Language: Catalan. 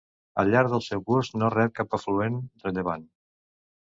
Al llarg del seu curs no rep cap afluent rellevant.